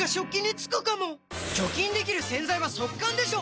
除菌できる洗剤は速乾でしょ！